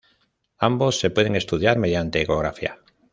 Ambos se pueden estudiar mediante ecografía.